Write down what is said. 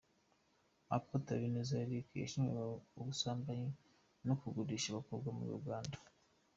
Apotre Habineza Eric yashinjwaga ubusambanyi no kugurisha abakobwa muri Uganda.